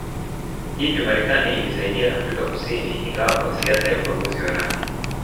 Hivyo Marekani ilisaidia Afrika Kusini ingawa kwa siasa ya ubaguzi wa rangi